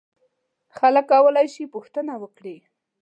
خلک کولای شي پوښتنه وکړي.